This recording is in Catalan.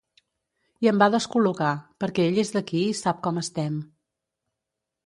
I em va descol·locar perquè ell és d’aquí i sap com estem.